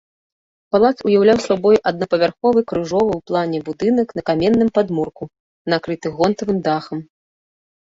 Палац уяўляў сабой аднапавярховы крыжовы ў плане будынак на каменным падмурку, накрыты гонтавым дахам.